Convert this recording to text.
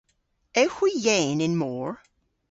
Ewgh hwi yeyn y'n mor?